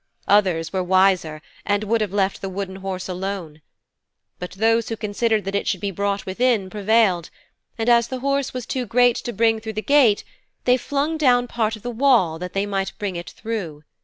Others were wiser and would have left the Wooden Horse alone. But those who considered that it should be brought within prevailed; and, as the Horse was too great to bring through the gate, they flung down part of the wall that they might bring it through.